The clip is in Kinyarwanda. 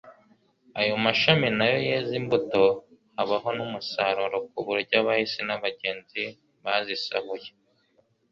Ayo mashami na yo yeze umbuto habaho n'umusaruro ku buryo abahisi n'abagenzi bazisahuye.